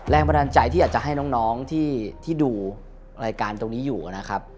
แรงบันดาลใจที่อยากจะให้น้องที่ดูรายการตรงนี้อยู่นะครับ